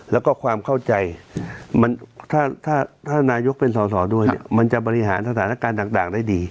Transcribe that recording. แล้วก็ความเข้าใจถ้านายกเป็นสอสอด้วยเนี่ยมันจะบริหารสถานการณ์ต่างได้ดี